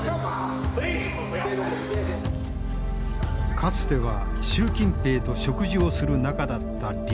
かつては習近平と食事をする仲だった李鋭。